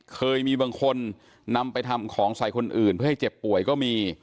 เคยมีบางคนนำไปทำของใส่คนอื่นเพื่อให้เจ็บป่วยก็มี